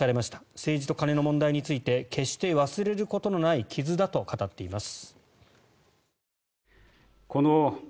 政治と金の問題について決して忘れることのできない傷だと語っています。